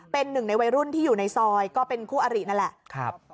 เป็นหนึ่งในวัยรุ่นที่อยู่ในซอยก็เป็นคู่อรินั่นแหละ